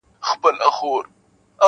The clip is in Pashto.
• د لېوه بچی د پلار په څېر لېوه وي -